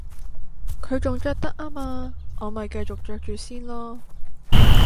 佢仲着得吖嘛，我咪繼續着住先囉